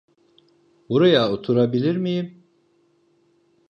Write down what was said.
Buraya oturabilir miyim?